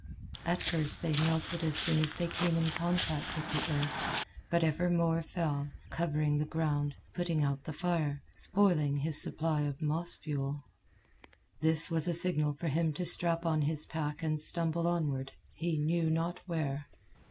At first they melted as soon as they came in contact with the earth, but ever more fell, covering the ground, putting out the fire, spoiling his supply of moss fuel. This was a signal for him to strap on his pack and stumble onward, he knew not where.